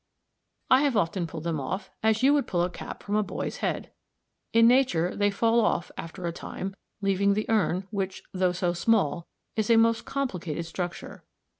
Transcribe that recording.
I have often pulled them off as you would pull a cap from a boy's head. In nature they fall off after a time, leaving the urn, which, though so small, is a most complicated structure.